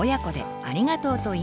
ありがとうって。